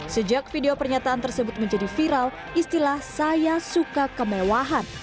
sejak video pernyataan tersebut menjadi viral istilah saya suka kemewahan